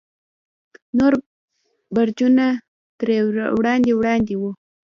نور برجونه ترې وړاندې وړاندې وو.